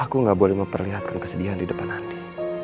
aku gak boleh memperlihatkan kesedihan di depan anda